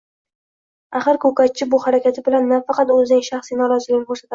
axir ko‘katchi bu harakati bilan nafaqat o‘zining shaxsiy noroziligini ko‘rsatdi